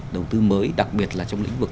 đầu tư mới đặc biệt là trong lĩnh vực